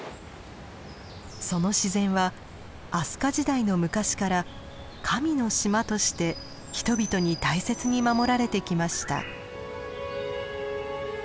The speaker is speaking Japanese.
その自然は飛鳥時代の昔から「神の島」として人々に大切に守られてきました。